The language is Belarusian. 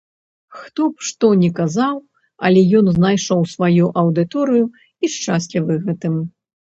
Хто б што ні казаў, але ён знайшоў сваю аўдыторыю і шчаслівы гэтым.